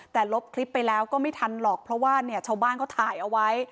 แต่ลบคลิปไปแล้วก็ไม่ทันหรอกเพราะว่าเนี่ยชาวบ้านเขาถ่ายเอาไว้